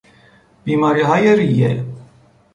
بیماریهای ریه